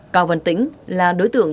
cao văn tĩnh là đối tượng